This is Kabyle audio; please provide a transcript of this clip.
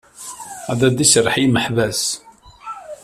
Ad d-iserreḥ i yimeḥbas.